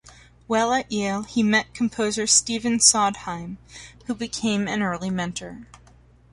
While at Yale, he met composer Stephen Sondheim, who became an early mentor.